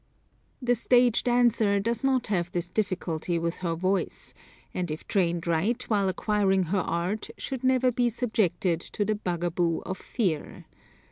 The stage dancer does not have this difficulty with her voice, and if trained right while acquiring her art should never be subjected to the bugaboo of fear.